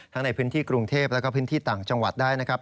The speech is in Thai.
ในพื้นที่กรุงเทพแล้วก็พื้นที่ต่างจังหวัดได้นะครับ